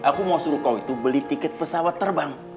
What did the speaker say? aku mau suruh kau itu beli tiket pesawat terbang